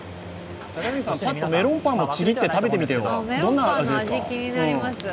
メロンパンもちぎって食べてみてよ、どんな味ですか？